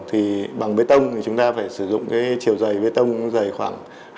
thì bằng bê tông chúng ta phải sử dụng chiều dày bê tông dày khoảng